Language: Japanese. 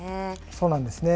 そうなんですね。